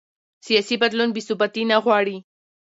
سیاسي بدلون بې ثباتي نه غواړي